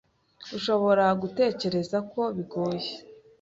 ushobora gutekereza ko bigoye